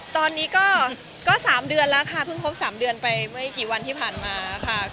ตอนนี้คือก็๓เดือนแล้วเพิ่งพบ๓เดือนไปแค่กี่วันที่ผ่านมา